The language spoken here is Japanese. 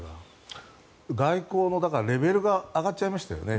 外交のレベルが上がっちゃいましたよね。